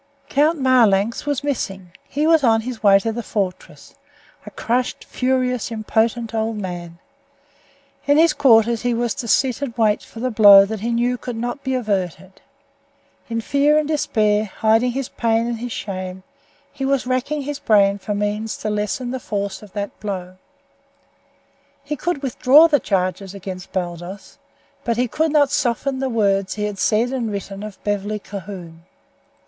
Count Marlanx was missing. He was on his way to the fortress, a crushed, furious, impotent old man. In his quarters he was to sit and wait for the blow that he knew could not be averted. In fear and despair, hiding his pain and his shame, he was racking his brain for means to lessen the force of that blow. He could withdraw the charges against Baldos, but he could not soften the words he had said and written of Beverly Calhoun.